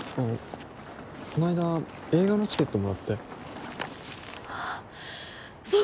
この間映画のチケットもらってあっそう